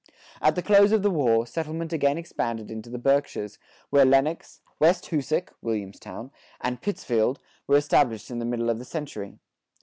[72:2] At the close of the war, settlement again expanded into the Berkshires, where Lennox, West Hoosac (Williamstown), and Pittsfield were established in the middle of the century.